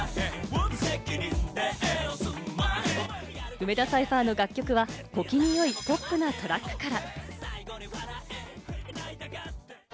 梅田サイファーの楽曲は小気味良いポップなトラックから。